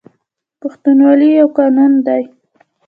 پښتونولي یو قانون دی